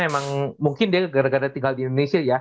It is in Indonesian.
emang mungkin dia gara gara tinggal di indonesia ya